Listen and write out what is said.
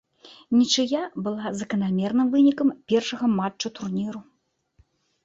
Нічыя была заканамерным вынікам першага матчу турніру.